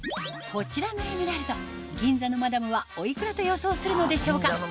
こちらのエメラルド銀座のマダムはおいくらと予想するのでしょうか？